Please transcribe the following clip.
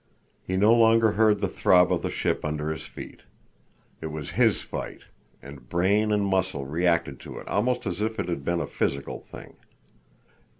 He no longer heard the throb of the ship under his feet. It was his fight, and brain and muscle reacted to it almost as if it had been a physical thing.